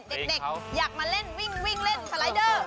เด็กอยากมาเล่นวิ่งเล่นสไลเดอร์